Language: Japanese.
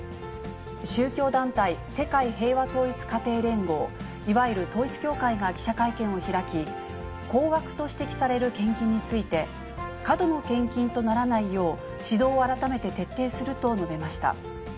宗教団体、世界平和統一家庭連合、いわゆる統一教会が記者会見を開き、高額と指摘される献金について、過度の献金とならないよう、指導を改めて徹底すると述べました。